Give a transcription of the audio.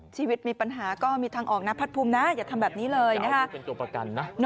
ชีวิตมีปัญหาก็มีทางออกนะพัดภูมินะอย่าทำแบบนี้เลยนะคะ